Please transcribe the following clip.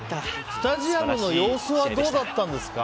スタジアムの様子はどうだったんですか？